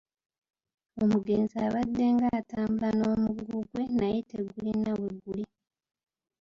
Omugenzi abaddenga atambula n’omuggo gwe naye tegulina we guli.